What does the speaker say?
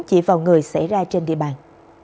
chỉ vào người xảy ra trên địa bàn